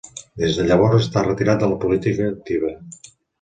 Des de llavors està retirat de la política activa.